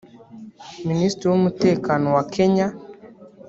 Minisitiri w’umutekano wa Kenya